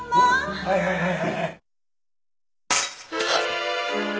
はいはいはい。